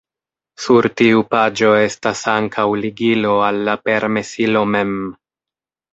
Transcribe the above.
Sur tiu paĝo estas ankaŭ ligilo al la permesilo mem.